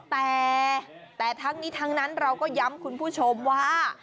แต่แต่ทั้งนี้ทั้งนั้นเราก็ย้ำคุณผู้ชมว่า